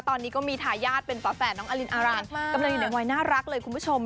ตอนนี้ก็มีทายาทเป็นฝาแฝดน้องอลินอารานกำลังอยู่ในวัยน่ารักเลยคุณผู้ชม